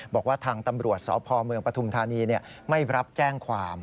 บอกว่าทางตำรวจสพเมืองปฐุมธานีไม่รับแจ้งความ